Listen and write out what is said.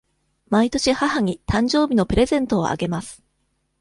毎年母に誕生日のプレゼントをあげます。